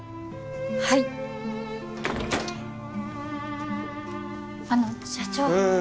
はいあの社長ああ